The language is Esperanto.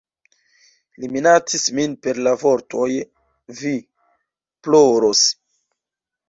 Li minacis min per la vortoj "Vi ploros!